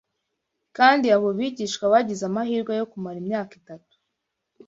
Kandi abo bigishwa bagize amahirwe yo kumara imyaka itatu